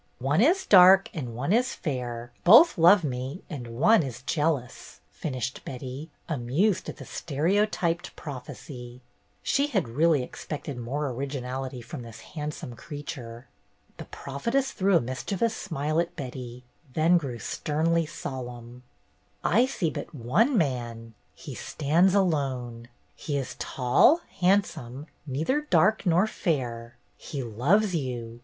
"One is dark and one is fair; both love me, and one is jealous," finished Betty, amused at the stereotyped prophecy. She had really ex pected more originality from this handsome creature. The prophetess threw a mischievous smile at Betty, then grew sternly solemn. THE GYPSIES 291 "I see but one man. He stands alone. He is tall, handsome, neither dark nor fair. He loves you.